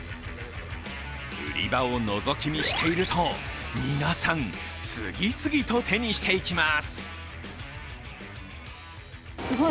売り場をのぞき見していると、皆さん、次々と手にしていきます。